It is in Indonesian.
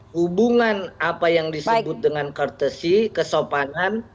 hubungan apa yang disebut dengan cartasy kesopanan